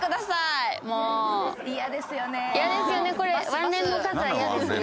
「ワンレンのかず」は嫌ですね